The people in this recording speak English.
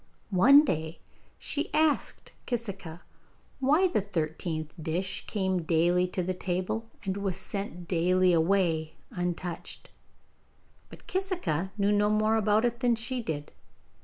One day she asked Kisika why the thirteenth dish came daily to the table and was sent daily away untouched, but Kisika knew no more about it than she did.